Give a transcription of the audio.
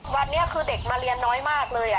วันนี้คือเด็กมาเรียนน้อยมากเลย